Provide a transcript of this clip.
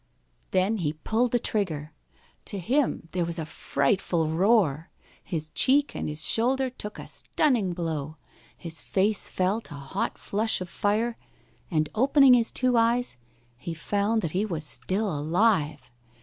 Then he pulled trigger. To him there was a frightful roar, his cheek and his shoulder took a stunning blow, his face felt a hot flush of fire, and opening his two eyes, he found that he was still alive.